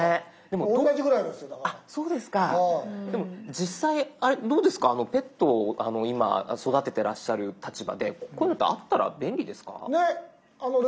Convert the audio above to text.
実際どうですかペットを今育ててらっしゃる立場でこういうのってあったら便利ですか？ね！